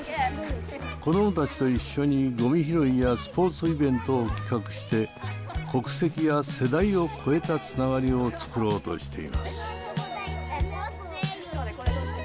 子どもたちと一緒にごみ拾いやスポーツイベントを企画して国籍や世代を超えたつながりを作ろうとしています。